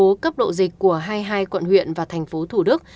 với cấp độ dịch của hai mươi hai quận huyện và tp thủ đức